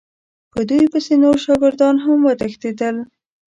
په دوی پسې نور شاګردان هم وتښتېدل.